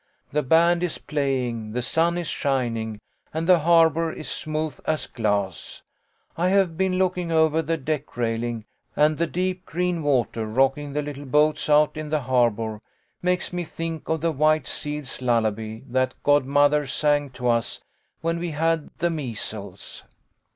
The band is playing, the sun is shining, and the harbour is smooth as glass. I have been looking over the deck railing, and the deep green water, rocking the little boats out in the harbour, makes me think of the White Seal's lullaby that god mother sang to us when we had the measles.